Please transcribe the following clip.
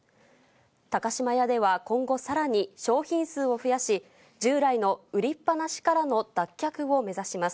高島屋では今後さらに、商品数を増やし、従来の売りっぱなしからの脱却を目指します。